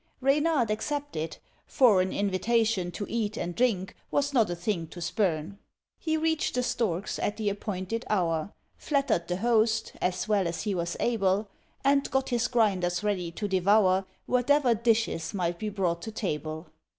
Reynard accepted; for an invitation To eat and drink was not a thing to spurn. He reached the Stork's at the appointed hour, Flattered the host, as well as he was able, And got his grinders ready to devour Whatever dishes might be brought to table.